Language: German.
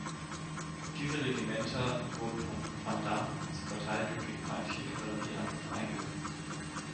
Diese Regimenter wurden von Vandamme zur Verteidigung gegen feindliche Kavallerieangriffe eingesetzt.